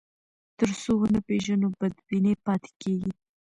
تر څو ونه پېژنو، بدبیني پاتې کېږي.